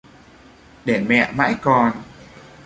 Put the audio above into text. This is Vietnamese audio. Để mẹ mãi còn